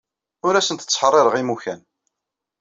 Ur asent-ttḥeṛṛiṛeɣ imukan.